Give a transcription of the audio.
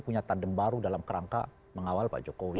punya tandem baru dalam kerangka mengawal pak jokowi